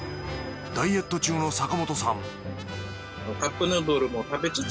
ダイエット中の坂本さん